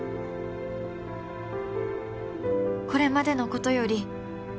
「これまでのことより」